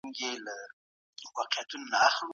ایا لوی صادروونکي تور ممیز پروسس کوي؟